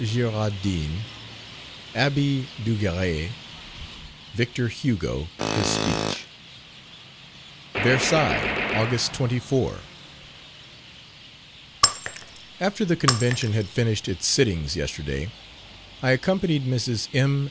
Girardin Abbe Duguerry Victor Hugo: his Speech._ VERSAILLES, August 24. After the Convention had finished its sittings yesterday, I accompanied Mrs. M.